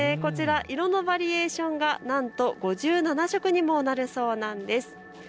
色のバリエーションがなんと５７色にもなるそうなんです。